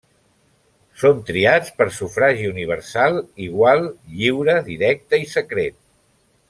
Són triats per sufragi universal, igual, lliure, directe i secret.